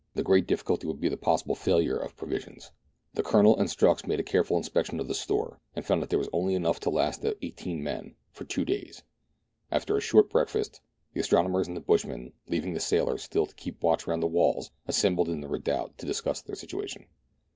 The great difficulty would be thepossible failure of provisions. The Colonel and Strux made a careful inspection of the store, and found that there was only enough to last the eighteen men for two days. After a short breakfast, the astronomers and the bushman, leaving the sailors still to THREE ENGLISHMEN AND THREE RUSSIANS. 1 85 keep watch round the walls, assembled in the redoubt to discuss their situation.